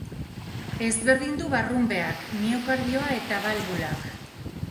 Ezberdindu barrunbeak, miokardioa eta balbulak.